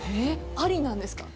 ありなんですか？